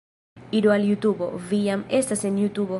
Iru al Jutubo... vi jam estas en Jutubo